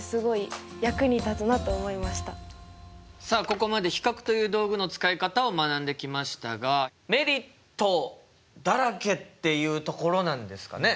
ここまで比較という道具の使い方を学んできましたがメリットだらけっていうところなんですかね？